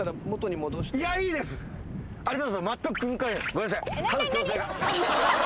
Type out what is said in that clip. ごめんなさい。